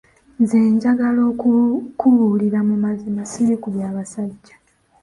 Nze njagala okukubuulira, mu mazima srli ku bya basajja.